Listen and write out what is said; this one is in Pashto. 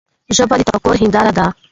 ژبه د تفکر هنداره ده.